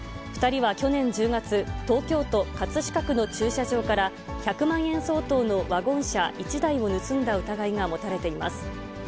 ２人は去年１０月、東京都葛飾区の駐車場から、１００万円相当のワゴン車１台を盗んだ疑いが持たれています。